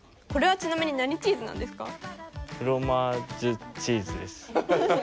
これはちなみに何チーズなんですか？